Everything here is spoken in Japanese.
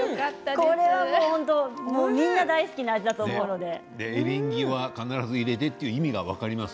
これも、みんな大好きな味だと思います。